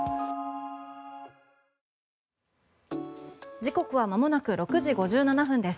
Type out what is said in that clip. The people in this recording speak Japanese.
時刻はまもなく６時５７分です。